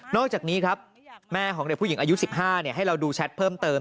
อกจากนี้ครับแม่ของเด็กผู้หญิงอายุ๑๕ให้เราดูแชทเพิ่มเติม